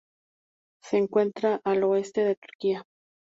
Se encuentra al oeste de Turquía.